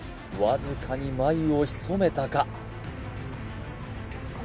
わずかに眉をひそめたか？